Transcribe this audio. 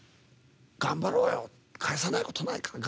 頑張ろう返せないことないからって。